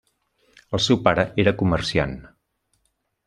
El seu pare era comerciant.